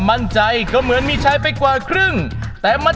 ถ้าพร้อมแล้วขอเชิญพบกับคุณลูกบาท